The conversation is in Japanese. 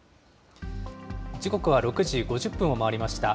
時刻は６時５０分を回りました。